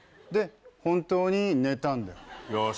で本当に寝たんだよ。